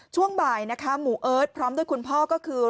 ช่วงบ่ายนะคะหมู่เอิร์ทพร้อมด้วยคุณพ่อก็คือ